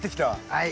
はい。